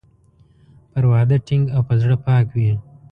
پر وعده ټینګ او په زړه پاک وي.